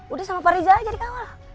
udah sama pak riza aja dikawal